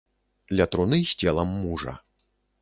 Ля труны з целам мужа.